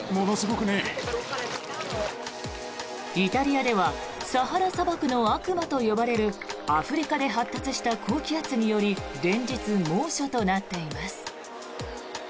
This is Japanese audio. イタリアではサハラ砂漠の悪魔と呼ばれるアフリカで発達した高気圧により連日、猛暑となっています。